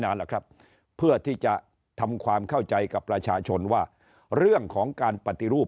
หรอกครับเพื่อที่จะทำความเข้าใจกับประชาชนว่าเรื่องของการปฏิรูป